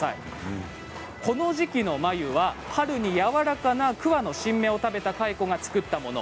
この時期の繭は春にやわらかな桑の新芽を食べた蚕が作ったもの